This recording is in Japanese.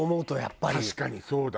確かにそうだ。